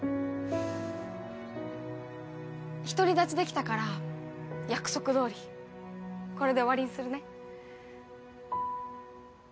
独り立ちできたから約束どおりこれで終わりにするね。